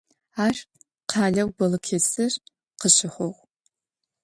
Ар къалэу Балыкэсир къыщыхъугъ.